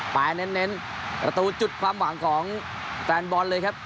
เน้นประตูจุดความหวังของแฟนบอลเลยครับ